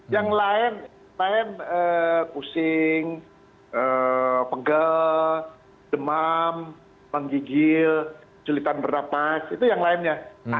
yang lain kusing pegel demam menggigil kesulitan bernafas itu yang lainnya